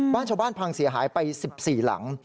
บ้านชาวบ้านพังเสียหายไป๑๔หลัง